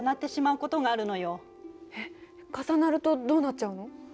えっ重なるとどうなっちゃうの？